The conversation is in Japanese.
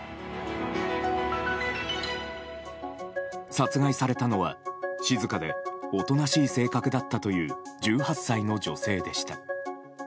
殺害されたのは、静かでおとなしい性格だったという１８歳の女性でした。